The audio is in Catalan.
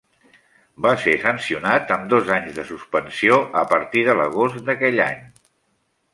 Va ser sancionat amb dos anys de suspensió a partir de l'agost d'aquell any.